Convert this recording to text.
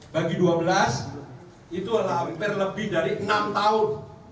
bagi dua belas itu hampir lebih dari enam tahun